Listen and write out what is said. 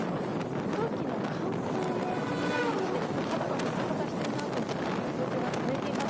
空気の乾燥も気になりまして、ちょっと肌がかさかさしているなという状況が続いています。